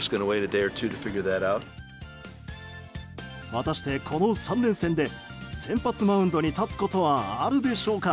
果たして、この３連戦で先発マウンドに立つことはあるでしょうか。